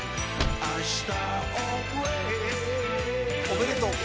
おめでとう。